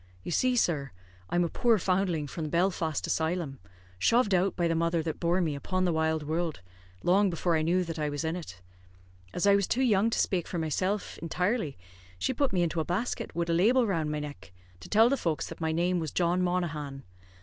You see, sir, I'm a poor foundling from the Belfast Asylum, shoved out by the mother that bore me, upon the wide wurld, long before I knew that I was in it. As I was too young to spake for myself intirely, she put me into a basket, wid a label round my neck, to tell the folks that my name was John Monaghan.